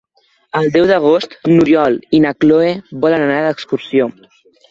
El deu d'agost n'Oriol i na Cloè volen anar d'excursió.